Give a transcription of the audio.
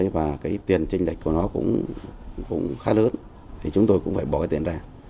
và cái tiền tranh lệch của nó cũng khá lớn thì chúng tôi cũng phải bỏ cái tiền ra